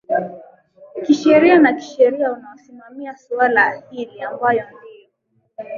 kisheria na kisheria unaosimamia suala hili ambayo ndio